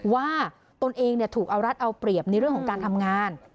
ตนเองถูกเอารัฐเอาเปรียบในเรื่องของการทำงาน